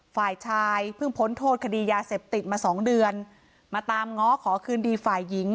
ฝ่ายชายเพิ่งพ้นโทษคดียาเสพติดมาสองเดือนมาตามง้อขอคืนดีฝ่ายหญิง